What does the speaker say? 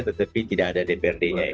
tetapi tidak ada dprd nya ya